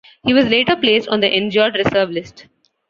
He was later placed on the injured reserve list.